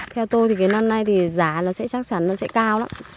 theo tôi thì cái năm nay thì giá là sẽ chắc chắn là sẽ cao lắm